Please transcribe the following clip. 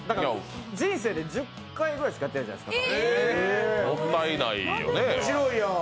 人生で１０回ぐらいしかやってないんじゃないですか。